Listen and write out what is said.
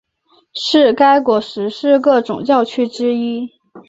是该国十四个总教区之一。